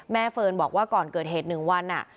แม่เฟิร์นบอกว่าก่อนเกิดเหตุหนึ่งวันอะ